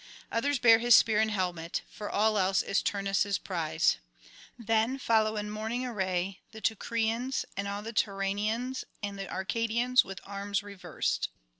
Others bear his spear and helmet, for all else is Turnus' prize. Then follow in mourning array the Teucrians and all the Tyrrhenians, and the Arcadians with arms reversed.